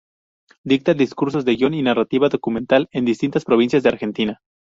Dicta cursos de guión y narrativa documental en distintas provincias de Argentina.